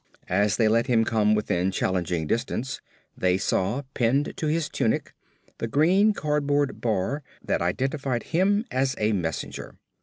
As they let him come within challenging distance, they saw, pinned to his tunic, the green cardboard bar that identified him as a messenger.